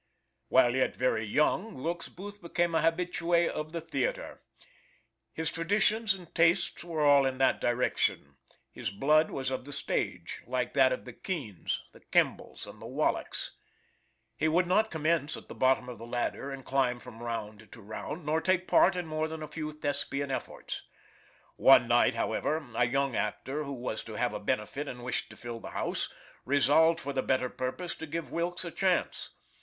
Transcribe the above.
While yet very young, Wilkes Booth became an habitue at the theater. His traditions and tastes were all in that direction. His blood was of the stage, like that of the Keans, the Kembles, and the Wallacks. He would not commence at the bottom of the ladder and climb from round to round, nor take part in more than a few Thespian efforts. One night, however, a young actor, who was to have a benefit and wished to fill the house, resolved for the better purpose to give Wilkes a chance.